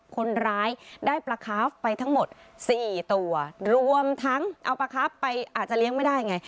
คนร้ายได้ปลาคาฟไปทั้งหมดสี่ตัวรวมทั้งเอาปลาคาร์ฟไปอาจจะเลี้ยงไม่ได้ไง